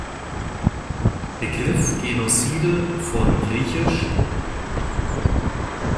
Begriff „genocide“ von griech.